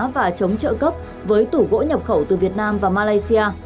và chống trợ cấp với tủ gỗ nhập khẩu từ việt nam và malaysia